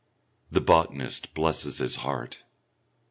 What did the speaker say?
The botanist blesses his heart.